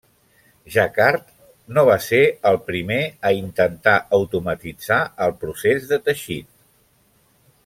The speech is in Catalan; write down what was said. Jacquard no va ser el primer a intentar automatitzar el procés de teixit.